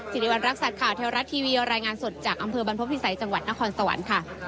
สิริวัณรักษัตริย์ข่าวเทวรัฐทีวีรายงานสดจากอำเภอบรรพบพิสัยจังหวัดนครสวรรค์ค่ะ